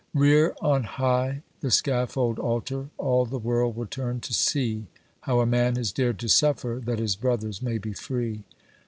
Rear on high the scaffold altar ! all the world will turn to see How a man has dared to suffer that his brothers may be free